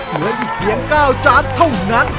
เหลืออีกเพียง๙จานเท่านั้น